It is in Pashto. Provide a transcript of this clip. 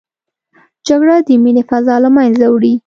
جګړه د مینې فضا له منځه وړي